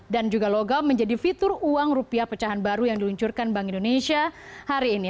dan juga logam menjadi fitur uang rupiah pecahan baru yang diluncurkan bank indonesia hari ini